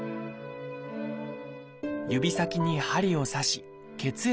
指先に針を刺し血液を採取。